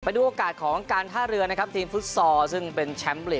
ดูโอกาสของการท่าเรือนะครับทีมฟุตซอลซึ่งเป็นแชมป์ลีก